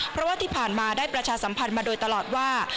เพราะว่าที่ผ่านมาได้ประชาสัมพันธ์มาโดยตลอดว่า